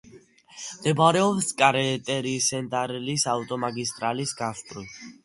მდებარეობს კარეტერა-სენტრალის ავტომაგისტრალის გასწვრივ.